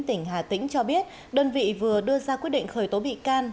tỉnh hà tĩnh cho biết đơn vị vừa đưa ra quyết định khởi tố bị can